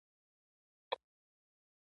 ایا تخفیف شته؟